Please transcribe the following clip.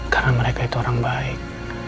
karena mereka itu orang baik